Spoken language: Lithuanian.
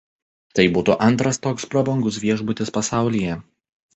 Tai būtų antras toks prabangus viešbutis pasaulyje.